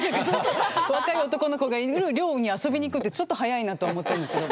若い男の子がいる寮に遊びに行くってちょっと早いなと思ったんですけど。